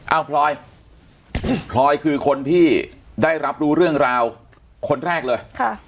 พลอยพลอยคือคนที่ได้รับรู้เรื่องราวคนแรกเลย